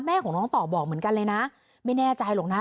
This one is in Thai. แม่ของน้องต่อบอกเหมือนกันเลยนะไม่แน่ใจหรอกนะ